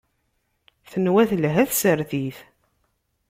Tenwa telha tsertit.